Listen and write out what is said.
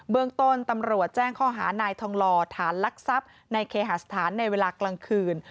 เมืองต้นตำรวจแจ้งข้อหานายทองหล่อฐานลักทรัพย์ในเคหาสถานในเวลากลางคืน